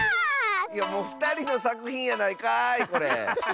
おふたりのさくひんやないかいこれ。